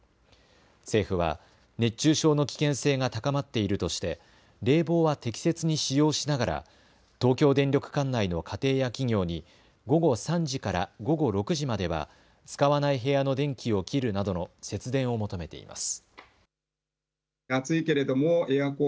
政府は熱中症の危険性が高まっているとして冷房は適切に使用しながら東京電力管内の家庭や企業に午後３時から午後６時までは使わない部屋の電気を切るなどの節電を求めています。